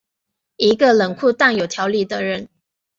一个冷酷但有条理的人。